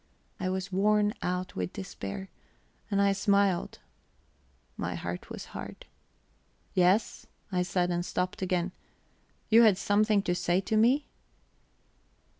I was worn out with despair, and I smiled; my heart was hard. "Yes?" I said, and stopped again. "You had something to say to me?"